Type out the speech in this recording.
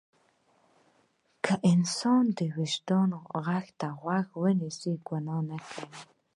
که انسان د وجدان غږ ته غوږ ونیسي ګناه نه کوي.